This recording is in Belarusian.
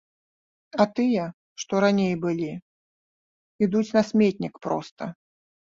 А тыя, што раней былі, ідуць на сметнік проста.